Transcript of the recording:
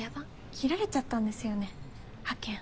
切られちゃったんですよね派遣。